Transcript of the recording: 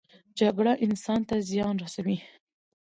جګړه انسان ته زیان رسوي